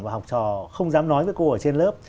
và học trò không dám nói với cô